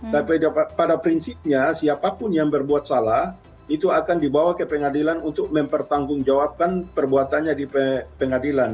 tapi pada prinsipnya siapapun yang berbuat salah itu akan dibawa ke pengadilan untuk mempertanggungjawabkan perbuatannya di pengadilan